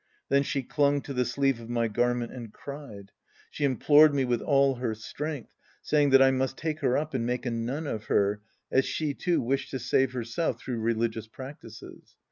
Then she clung to the sleeve of my garment and cried. She implored me with all her strength, saying that I must take her up and make a nun of her, as she, too, wish ed to save herself tlirough religious practices.